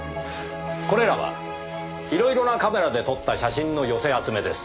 これらはいろいろなカメラで撮った写真の寄せ集めです。